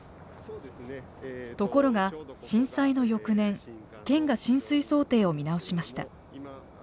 ところが震災の翌年県が浸水想定を見直しました。